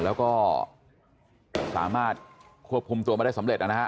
แล้วก็สามารถควบคุมตัวมาได้สำเร็จนะฮะ